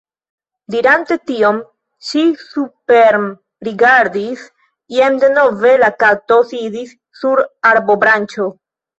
Dirante tion, ŝi suprenrigardis. Jen denove la Kato sidis sur arbobranĉo.